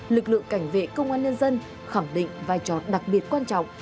lực lượng cảnh vệ công an nhân dân khẳng định vai trò đặc biệt quan trọng